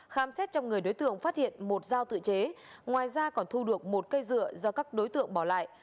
khám xét trong người đối tượng phát hiện một dao tự chế ngoài ra còn thu được một cây dựa do các đối tượng bỏ lại